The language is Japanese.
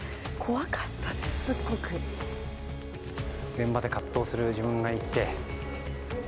現場で葛藤する自分がいて。